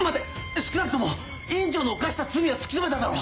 少なくとも院長の犯した罪は突き止めただろう！